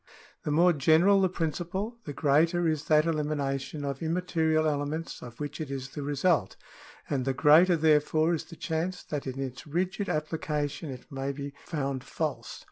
The more general the principle, the greater is that elimination of im material elements of which it is the result, and the greater therefore is the chance that in its rigid application it may be found false.